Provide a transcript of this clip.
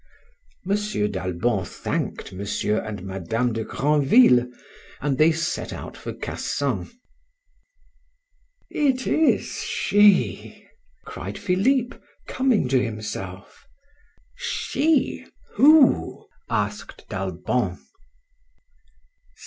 M. d'Albon thanked M. and Mme. de Grandville, and they set out for Cassan. "It is she!" cried Philip, coming to himself. "She? who?" asked d'Albon.